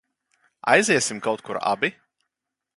Aiziesim kaut kur abi?